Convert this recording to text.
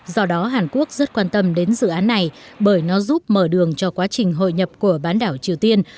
do đó hàn quốc rất quan tâm đến dự án này bởi nó giúp mở đường cho quá trình hội nhập của bán đảo triều tiên